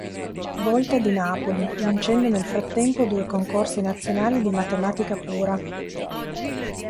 Volta di Napoli, vincendo nel frattempo due concorsi nazionali di matematica pura.